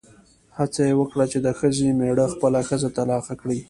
هڅه یې وکړه چې د ښځې مېړه خپله ښځه طلاقه کړي.